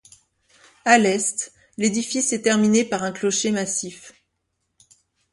À l'est, l'édifice est terminé par un clocher massif.